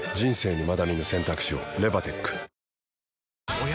おや？